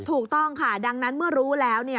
ถูกต้องค่ะดังนั้นเมื่อรู้แล้ว